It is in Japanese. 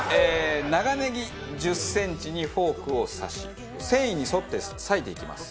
長ねぎ１０センチにフォークを刺し繊維に沿って割いていきます。